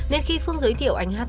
nên khi phương giới thiệu anh hát